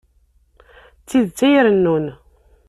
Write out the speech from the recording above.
D tidet ay irennun.